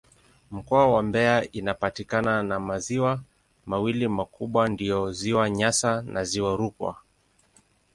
Mkoa wa Mbeya inapakana na maziwa mawili makubwa ndiyo Ziwa Nyasa na Ziwa Rukwa.